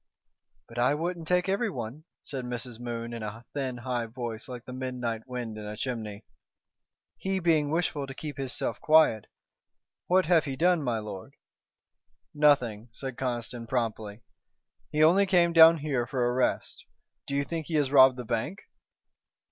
"But I wouldn't take everyone," said Mrs. Moon in a thin, high voice like the midnight wind in a chimney. "He being wishful to keep hisself quiet. What have he done, my lord?" "Nothing," said Conniston, promptly. "He only came down here for a rest. Do you think he has robbed the bank?"